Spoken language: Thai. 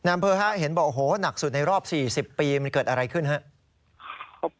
อำเภอฮะเห็นบอกโอ้โหหนักสุดในรอบ๔๐ปีมันเกิดอะไรขึ้นครับ